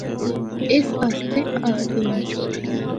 اس آسطے آخدے ہن۔